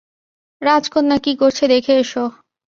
রাজকন্যা কি করছে দেখে এসো।